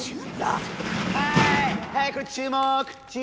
はい！